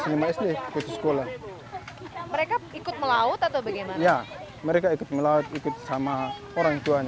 ini ya penjual mainan